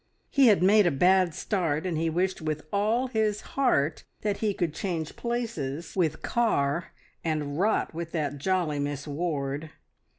He had made a bad start, and he wished with all his heart that he could change places with Carr and "rot" with that jolly Miss Ward.